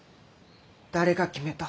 誰が決めた？